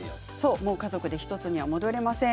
もう家族１つには戻れません。